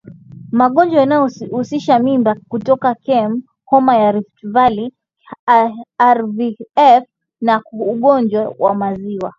Magonjwa yanayohusisha mimba kutoka km Homa ya Rift Valley RVF na ugonjwa wa maziwa